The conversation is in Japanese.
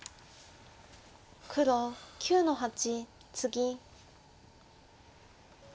黒９の八ツギ。